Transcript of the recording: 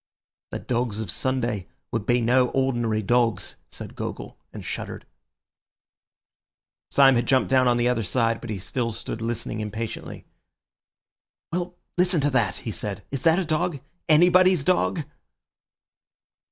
"The dogs of Sunday would be no ordinary dogs," said Gogol, and shuddered. Syme had jumped down on the other side, but he still stood listening impatiently. "Well, listen to that," he said, "is that a dog—anybody's dog?"